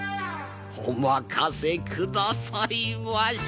お任せくださいまし。